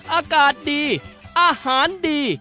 อากาศดีอาหารดี